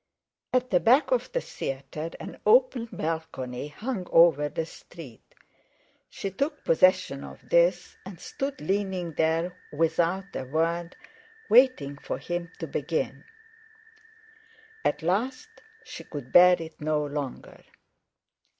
At the back of the theatre an open balcony hung over the street; she took possession of this, and stood leaning there without a word, waiting for him to begin. At last she could bear it no longer.